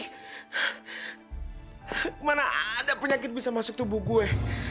kemana ada penyakit bisa masuk tubuh gue